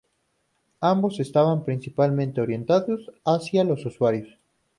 Ambos estaban principalmente orientados hacia los usuarios.